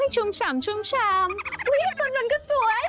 ชุ่มชามอุ๊ยสำนักก็สวย